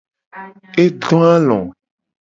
E do alo.